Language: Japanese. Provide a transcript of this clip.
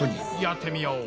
やってみよう。